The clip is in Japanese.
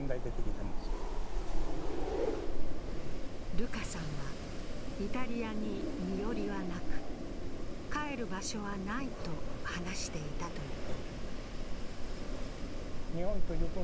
ルカさんはイタリアに身寄りはなく、帰る場所はないと話していたという。